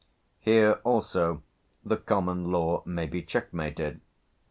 Here, also, the Common Law may be checkmated.